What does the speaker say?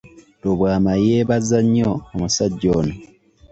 Lubwama yeebaza nnyo omusajja ono.